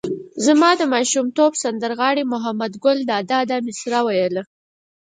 زما د ماشومتوب سندر غاړي محمد ګل دادا دا مسره ویله.